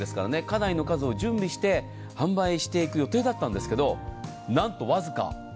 かなりの数を準備して販売していく予定だったんですが何とわずか。